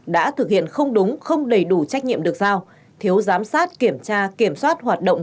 đã thực hiện không đúng không đầy đủ trách nhiệm được giao thiếu giám sát kiểm tra kiểm soát hoạt động